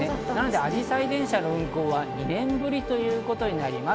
あじさい電車の運行は２年ぶりということになります。